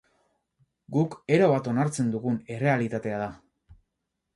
Guk erabat onartzen dugun errealitatea da.